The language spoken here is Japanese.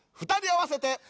２人合わせて。